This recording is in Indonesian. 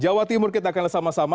jawa timur kita akan lihat sama sama